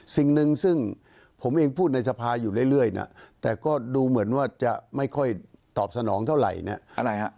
สิ่งหนึ่งซึ่งผมเองพูดในสภาอยู่เรื่อยนะแต่ก็ดูเหมือนว่าจะไม่ค่อยตอบสนองเท่าไหร่เนี่ยอะไรฮะ